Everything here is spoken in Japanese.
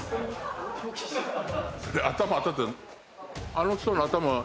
あの人の頭。